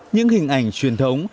những hình ảnh truyền thống